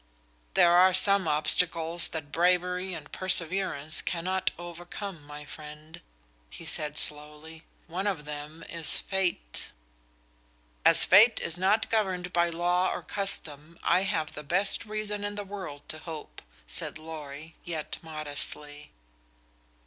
"There are some obstacles that bravery and perseverance cannot overcome, my friend," he said, slowly. "One of them is fate." "As fate is not governed by law or custom, I have the best reason in the world to hope," said Lorry, yet modestly.